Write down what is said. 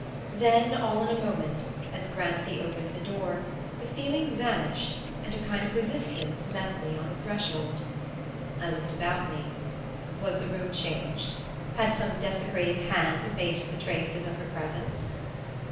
Then, all in a moment, as Grancy opened the door, the feeling vanished and a kind of resistance met me on the threshold. I looked about me. Was the room changed? Had some desecrating hand effaced the traces of her presence?